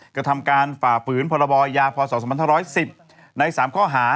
กระทำการฝ่าฝืนพลบอยยาภาษาสมรรถ๑๑๐ใน๓ข้อหา